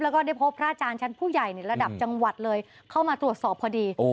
แล้วก็ได้พบพระอาจารย์ชั้นผู้ใหญ่ในระดับจังหวัดเลยเข้ามาตรวจสอบพอดี